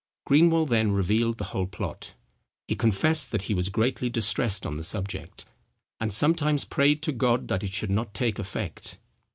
Greenwell then revealed the whole plot. He confessed that he was greatly distressed on the subject, "and sometimes prayed to God that it should not take effect."